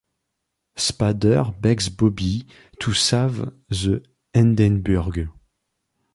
Spader begs Bobby to save the Hindenburg.